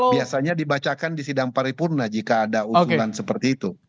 biasanya dibacakan di sidang paripurna jika ada usulan seperti itu